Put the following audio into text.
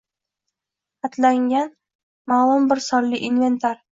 Xatlangan ma’lum bir sonli inventar`: